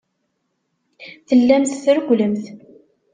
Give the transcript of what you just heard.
Tellamt trewwlemt.